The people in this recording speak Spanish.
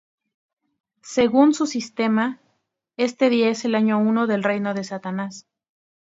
Según su sistema, este día es el año I del reino de Satanás.